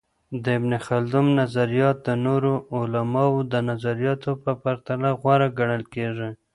د ابن خلدون نظریات د نورو علماؤ د نظریاتو په پرتله غوره ګڼل کيږي.